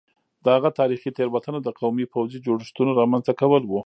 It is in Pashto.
د هغه تاریخي تېروتنه د قومي پوځي جوړښتونو رامنځته کول وو